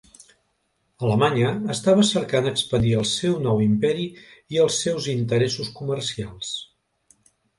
Alemanya estava cercant expandir el seu nou imperi i els seus interessos comercials.